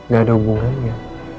gak ada hubungannya